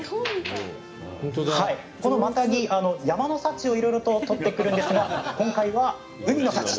このマタギ、山の幸をいろいろととってくるんですが今回は海の幸！